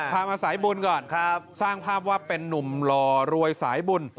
พามาสายบุญก่อนสร้างภาพว่าเป็นนุ่มหล่อรวยสายบุญ